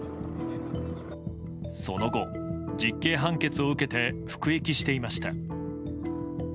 その後、実刑判決を受けて服役していました。